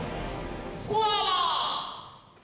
スコアは！